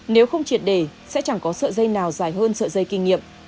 nếu không triệt đề sẽ chẳng có sợi dây nào dài hơn sợi dây kinh nghiệm